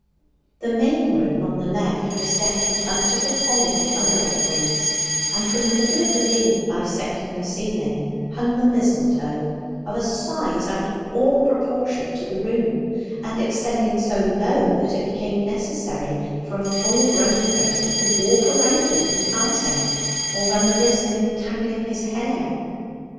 The main room, on the left, was decked with bunches of holly and other evergreens, and from the middle of the beam bisecting the ceiling hung the mistletoe, of a size out of all proportion to the room, and extending so low that it became necessary for a full grown person to walk round it in passing, or run the risk of entangling his hair.